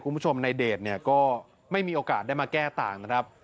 คุณผู้ชมในเดทเนี่ยก็ไม่มีโอกาสได้มาแก้ต่างนะครับ